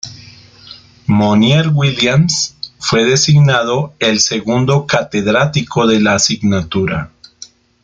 Monier-Williams fue designado el segundo catedrático de la asignatura.